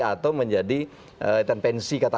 atau menjadi pensi